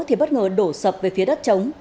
thì bất ngờ đổ sập về phía đất trống